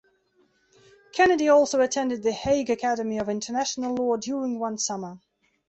Kennedy also attended the Hague Academy of International Law during one summer.